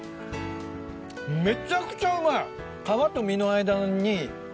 めちゃくちゃうまい。